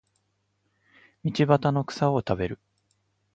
道端の草を食べる